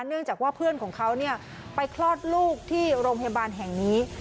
เนื่องจากว่าเพื่อนของเขาไปคลอดลูกที่โรงพยาบาลแห่งนี้